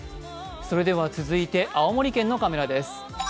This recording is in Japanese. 続いて、青森県のカメラです。